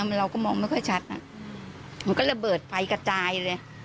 มันเราก็มองไม่ค่อยชัดอ่ะมันก็ระเบิดไฟกระจายเลย